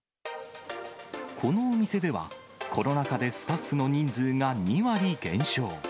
このお店では、コロナ禍でスタッフの人数が２割減少。